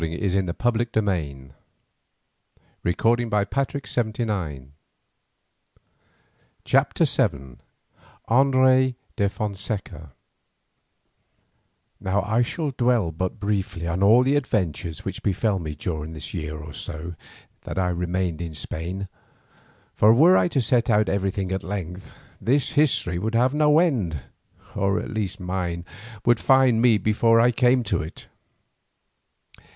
But at last we came safely to Cadiz, having been forty days at sea. CHAPTER VII ANDRES DE FONSECA Now I shall dwell but briefly on all the adventures which befell me during the year or so that I remained in Spain, for were I to set out everything at length, this history would have no end, or at least mine would find me before I came to it.